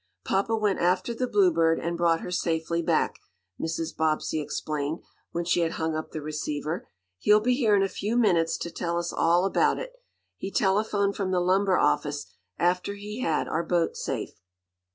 "Papa went after the Bluebird, and brought her safely back," Mrs. Bobbsey explained, when she had hung up the receiver. "He'll be here in a few minutes to tell us all about it. He telephoned from the lumber office after he had our boat safe."